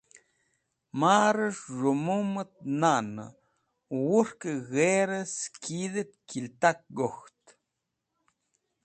Maris̃h z̃hũ mumẽt nanẽ wurkẽ g̃herẽ sekidhẽt kiltak gok̃ht.